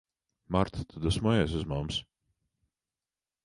Marta, tu dusmojies uz mums?